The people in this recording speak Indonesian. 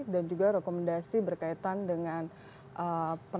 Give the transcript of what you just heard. dan juga rekomendasi berkaitan dengan komisi kejaksaan